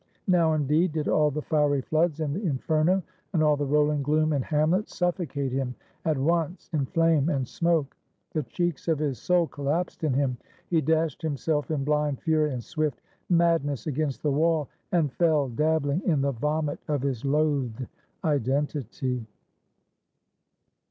Now indeed did all the fiery floods in the Inferno, and all the rolling gloom in Hamlet suffocate him at once in flame and smoke. The cheeks of his soul collapsed in him: he dashed himself in blind fury and swift madness against the wall, and fell dabbling in the vomit of his loathed identity.